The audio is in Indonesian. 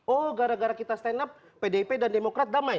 oh gara gara kita stand up pdip dan demokrat damai